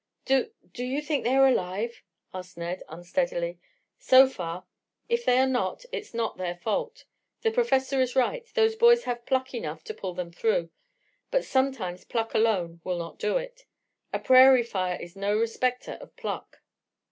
"Do do you think they are alive?" asked Ned unsteadily. "So far. If they are not, it's not their fault. The Professor is right. Those boys have pluck enough to pull them through, but sometimes pluck alone will not do it. A prairie fire is no respecter of pluck."